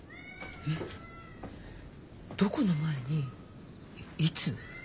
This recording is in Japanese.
どこの前にいつ？